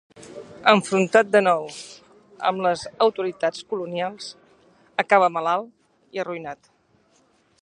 Enfrontat de nou amb les autoritats colonials, acaba malalt i arruïnat.